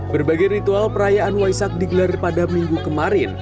berbagai ritual perayaan waisak digelar pada minggu kemarin